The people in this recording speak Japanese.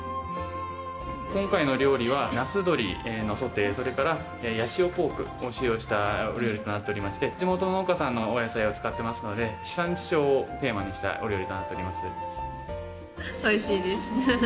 今回の料理は、那須どりのソテー、それからヤシオポークを使用したお料理となっていまして、地元の農家さんのお野菜を使ってますので、地産地消をテーマにしおいしいです。